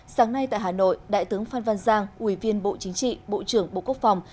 sáng nay tại hà nội đại tướng phan văn giang ủy viên bộ chính trị bộ trưởng bộ quốc phòng